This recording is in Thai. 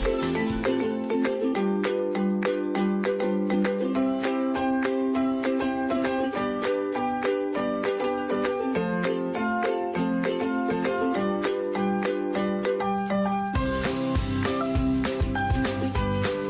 โปรดติดตามตอนต่อไป